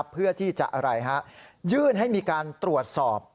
เพื่อที่จะยื่นให้มีการตรวจสอบ